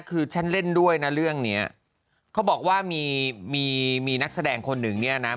คือฉันเล่นด้วยนะเรื่องเนี้ยเขาบอกว่ามีมีนักแสดงคนหนึ่งเนี่ยนะ